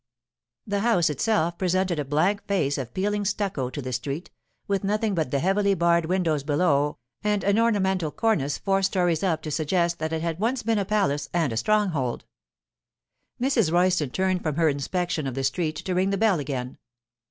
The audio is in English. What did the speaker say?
The house itself presented a blank face of peeling stucco to the street, with nothing but the heavily barred windows below and an ornamental cornice four stories up to suggest that it had once been a palace and a stronghold. Mrs. Royston turned from her inspection of the street to ring the bell again.